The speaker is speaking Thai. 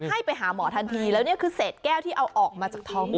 ให้ไปหาหมอทันทีแล้วนี่คือเศษแก้วที่เอาออกมาจากท้องหมอ